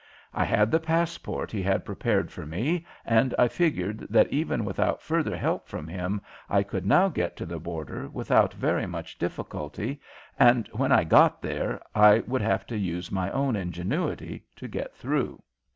I had the passport he had prepared for me, and I figured that even without further help from him I could now get to the border without very much difficulty, and when I got there I would have to use my own ingenuity to get through.